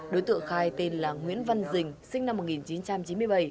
đối tượng khai tên là nguyễn văn dình sinh năm một nghìn chín trăm chín mươi bảy